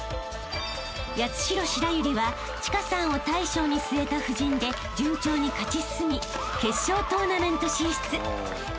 ［八代白百合は千佳さんを大将に据えた布陣で順調に勝ち進み決勝トーナメント進出］